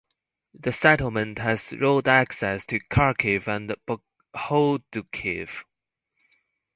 The settlement has road access to Kharkiv and Bohodukhiv.